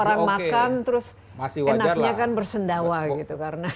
orang misalnya orang makan terus enaknya kan bersendawa gitu karena